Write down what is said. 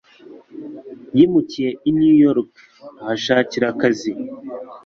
Yimukiye i New York, ahashakira akazi.